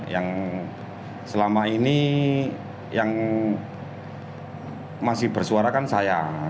yang selama ini yang masih bersuara kan saya